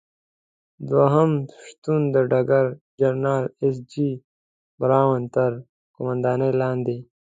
دوهم ستون د ډګر جنرال ایس جې براون تر قوماندې لاندې.